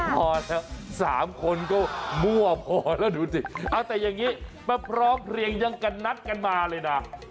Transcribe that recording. พอแล้ว๓คนก็มั่วพอแล้วดูสิเอาแต่อย่างนี้มาพร้อมเพลียงยังกันนัดกันมาเลยนะ